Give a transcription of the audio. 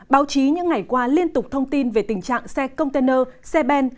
báo chí những ngày qua liên tục thông tin về tình trạng xe container xe ben